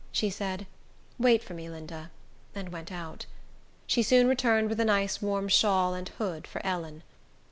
She said, "Wait for me, Linda," and went out. She soon returned with a nice warm shawl and hood for Ellen.